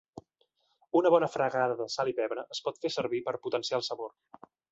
Una bona fregada de sal i pebre es pot fer servir per potenciar el sabor.